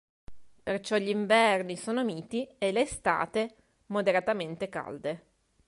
Perciò gli inverni sono miti e le estate moderatamente calde.